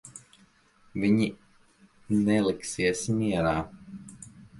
Viņi neliksies mierā.